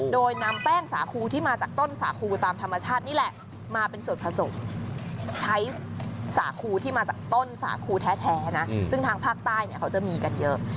โดยนำแป้งสาคูที่มาจากต้นสาคูตามธรรมชาตินี่แหละมาเป็นส่วนผสมใช้สาคูที่มาจากต้นสาคูแท้นะซึ่งทางภาคใต้เนี่ยเขาจะมีกันเยอะ